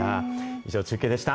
以上、中継でした。